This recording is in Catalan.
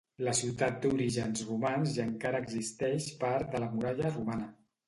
La ciutat té orígens romans i encara existeix part de la muralla romana.